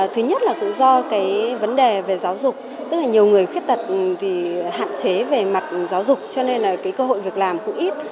thứ nhất là cũng do cái vấn đề về giáo dục tức là nhiều người khuyết tật thì hạn chế về mặt giáo dục cho nên là cái cơ hội việc làm cũng ít